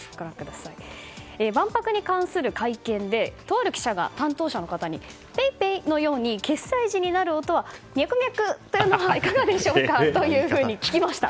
万博に関する会見でとある記者が担当者の方にＰａｙＰａｙのように決済時に鳴る音はミャクミャクというのはいかがでしょうかというふうに聞きました。